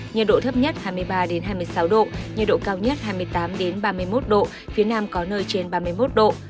nhiệt độ thấp nhất hai mươi ba hai mươi sáu độ nhiệt độ cao nhất hai mươi tám ba mươi một độ phía nam có nơi trên ba mươi một độ